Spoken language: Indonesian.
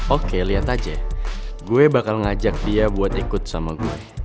oke lihat aja gue bakal ngajak dia buat ikut sama gue